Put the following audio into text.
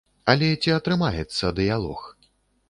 Але ці атрымаецца дыялог?